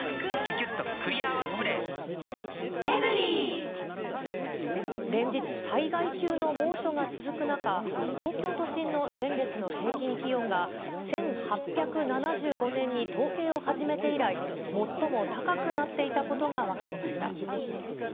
お試し容量も連日、災害級の猛暑が続く中、東京都心の先月の平均気温が、１８７５年に統計を始めて以来、最も高くなっていたことが分かりました。